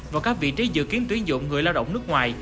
vào các vị trí dự kiến tuyến dụng người lao động nước ngoài